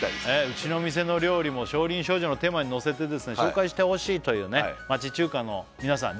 うちの店の料理も「少林少女」のテーマにのせて紹介してほしいという町中華の皆さん